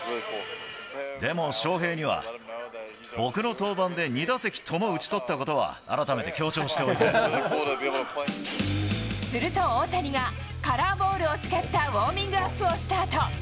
でも翔平には僕の登板で２打席とも打ち取ったことは、すると大谷が、カラーボールを使ったウォーミングアップをスタート。